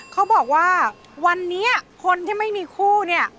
เขาบอกว่าวันนี้คนที่ไม่มีคู่เนี่ย